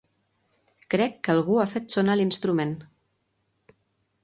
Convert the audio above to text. Crec que algú ha fet sonar l'instrument!